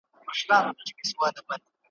نن لا د مُغان ډکه پیاله یمه تشېږمه `